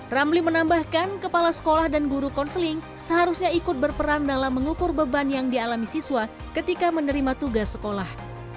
ramli menambahkan kepala sekolah dan guru konseling seharusnya ikut berperan dalam mengukur beban yang dialami siswa ketika menerima tugas sekolah